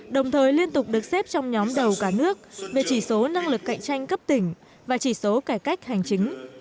đồng thời liên tục được xếp trong nhóm đầu cả nước về chỉ số năng lực cạnh tranh cấp tỉnh và chỉ số cải cách hành chính